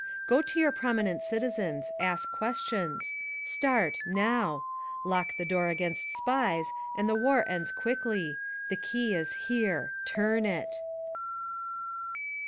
Go to your prominent citizens; ask questions; start— NOW! Lock the door against SPIES and the war ends quickly. Tihe key is here— turn it!